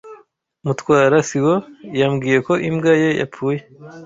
Mutwara sibo yambwiye ko imbwa ye yapfuye.